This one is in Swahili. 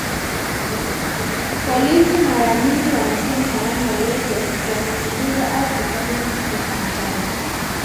Polisi mara nyingine wanasema hawana uwezo wa kuchunguza au kufanya ukamataji